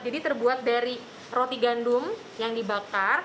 jadi terbuat dari roti gandum yang dibakar